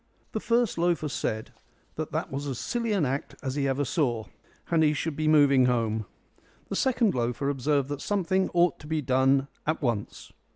The first loafer said that was as silly an act as ever he saw, and he should be moving home. The second loafer observed that something ought to be done at once.